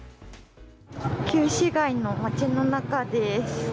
旧市街の街の中です。